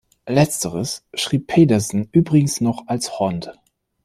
Letzteres schrieb Pedersen übrigens noch als "hond".